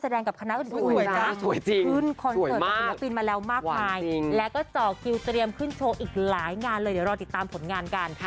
ดูแล้วสวยจริงสวยมากแล้วก็เจาะคิวเตรียมขึ้นโชว์อีกหลายงานเลยเดี๋ยวเราติดตามผลงานกัน